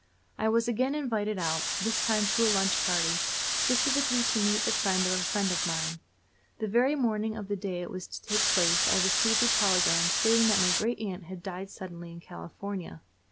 I was again invited out; this time to a lunch party, specially to meet the friend of a friend of mine. The very morning of the day it was to take place I received a telegram stating that my great aunt had died suddenly in California.